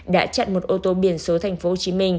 đã chặn một ô tô biển số tp hcm